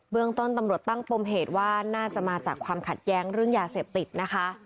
เมืองต้นตำรวจตั้งปมเหตุว่าน่าจะมาจากความขัดแย้งเรื่องยาเสพติดนะคะ